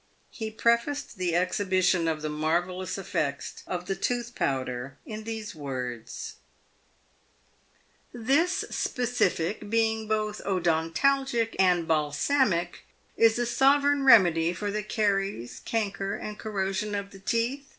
He prefaced the exhibition of the mar vellous effects of the tooth powder in these words :" This specific, being both odontalgic"and balsamic, is a sovereign remedy for the caries, canker, and corrosion of the teeth.